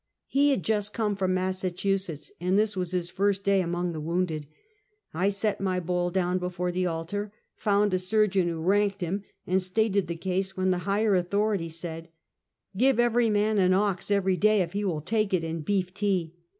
He had just come from Massachusetts, and this was his first day among the wounded. 1 set my bowl down before the altar, found a surgeon who ranked him, and stated the case, when the higher authority said: " Give every man an ox, every day, if he will take it in beef tea."